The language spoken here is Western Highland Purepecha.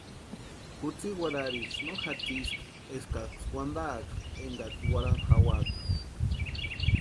Kutsï warhariecha no jatsiska eskaksï wantaaka énkaksï warhani jawaka.